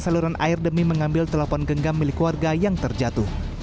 saluran air demi mengambil telepon genggam milik warga yang terjatuh